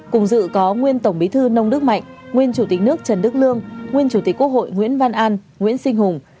cùng dự có nguyên tổng bí thư nông đức mạnh nguyên chủ tịch nước trần đức lương nguyên chủ tịch quốc hội nguyễn văn an nguyễn sinh hùng